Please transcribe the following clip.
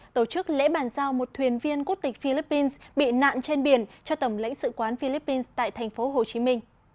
tổ chức lễ bàn giao một thuyền viên quốc tịch philippines bị nạn trên biển cho tổng lãnh sự quán philippines tại tp hcm